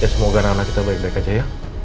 semoga anak anak kita baik baik aja ya